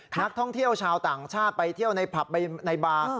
นักท่องเที่ยวชาวต่างชาติไปเที่ยวในผับในบาร์